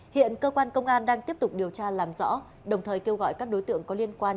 hiện cơ quan công an đang tiếp tục điều tra làm rõ đồng thời kêu gọi các đối tượng có liên quan